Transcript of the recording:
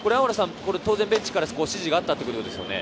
ベンチから指示があったということですよね。